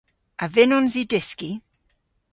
A vynnons i dyski?